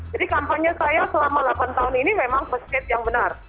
jadi kampanye saya selama delapan tahun ini memang khas aid yang benar